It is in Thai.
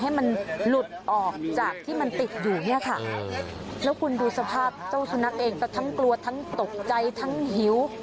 ให้มันหลุดออกจากที่มันติดอยู่เนี่ยค่ะแล้วคุณดูสภาพเจ้าสุนัขเองก็ทั้งกลัวทั้งตกใจทั้งหิว